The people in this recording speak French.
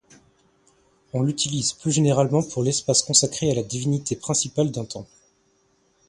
On l'utilise plus généralement pour l'espace consacré à la divinité principale d'un temple.